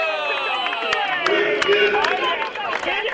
Yeggra-d deg yir addad.